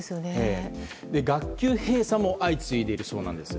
学級閉鎖も相次いでいるそうなんです。